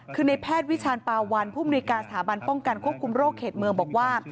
คือในแพทย์วิชาณปาวันผู้มนุยการสถาบันป้องกันควบคุมโรคเขตเมืองบอกว่า